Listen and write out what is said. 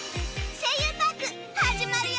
『声優パーク』始まるよ！